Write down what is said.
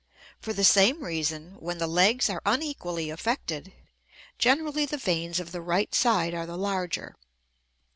For the same reason when the legs are unequally affected, generally the veins of the right side are the larger.